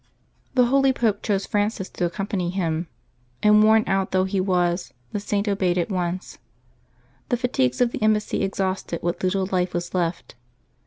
The holy Pope chose Francis to accompany him, and, worn out though he was, the Saint obeyed at once. The fatigues of the embassy exhausted what little life was left.